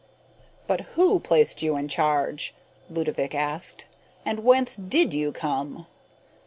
"But who placed you in charge," Ludovick asked, "and whence did you come?"